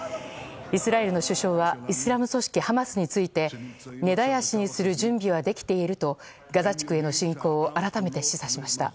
イスラエルの首相はイスラム組織ハマスについて根絶やしにする準備はできているとガザ地区への侵攻を改めて示唆しました。